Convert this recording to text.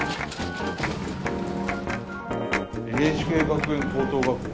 「ＮＨＫ学園高等学校」。